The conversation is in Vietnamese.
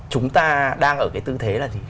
chúng ta đang ở cái tư thế là gì